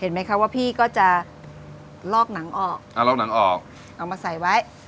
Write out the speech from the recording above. เห็นไหมคะว่าพี่ก็จะลอกหนังออกเอามาใส่ไว้